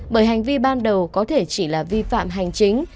bởi hành vi ban đầu có thể chỉ là vi phạm hành chính